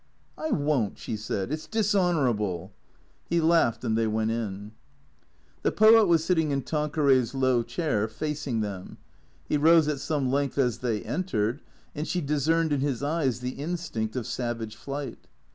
" I won't," she said. " It 's dishonourable." He laughed and they went in. The poet was sitting in Tanqueray's low chair, facing them. He rose at some length as they entered, and she discerned in his eyes the instinct of savage flight.